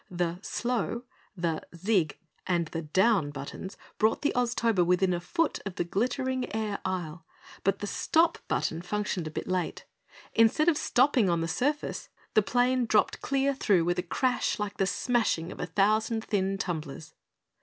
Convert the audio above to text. The "slow," the "zig" and the "down" buttons brought the Oztober within a foot of the glittering air Isle, but the "stop" button functioned a bit late. Instead of stopping on the surface, the plane dropped clear through with a crash like the smashing of a thousand thin tumblers.